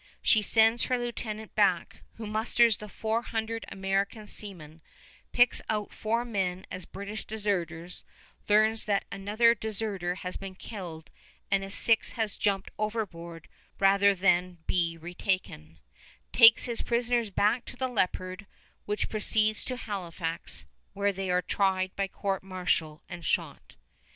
She sends her lieutenant back, who musters the four hundred American seamen, picks out four men as British deserters, learns that another deserter has been killed and a sixth has jumped overboard rather than be retaken, takes his prisoners back to the Leopard, which proceeds to Halifax, where they are tried by court martial and shot.